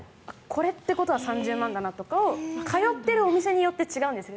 これってことは３０万円だなとか通っているお店によって違うんですね。